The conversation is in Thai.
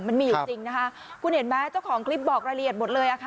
มันมีอยู่จริงนะคะคุณเห็นไหมเจ้าของคลิปบอกรายละเอียดหมดเลยอ่ะค่ะ